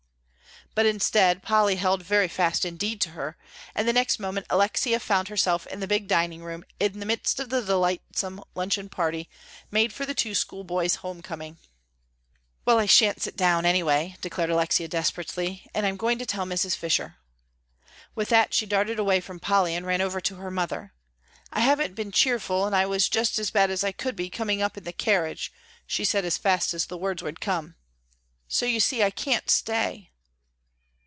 But instead, Polly held very fast indeed to her, and the next moment Alexia found herself in the big dining room, in the midst of the delightsome luncheon party made for the two schoolboys' home coming. "Well, I shan't sit down, anyway," declared Alexia, desperately, "and I'm going to tell Mrs. Fisher." With that she darted away from Polly and ran over to her mother. "I haven't been cheerful, and I was just as bad as I could be coming up in the carriage," she said as fast as the words would come, "so you see I can't stay."